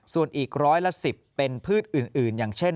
ส่วนอีกร้อยละ๑๐เป็นพืชอื่นอย่างเช่น